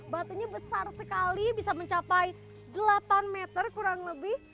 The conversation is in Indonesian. batunya besar sekali bisa mencapai delapan meter kurang lebih